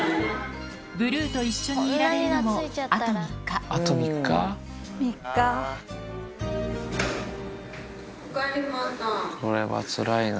ブルーと一緒にいられるのも、おかえり、これはつらいな。